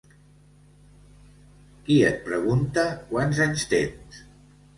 Qui et pregunta quants anys tens?